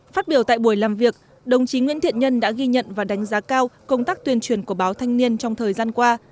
phát biểu tại buổi làm việc đồng chí nguyễn thiện nhân đã ghi nhận và đánh giá cao công tác tuyên truyền của báo thanh niên trong thời gian qua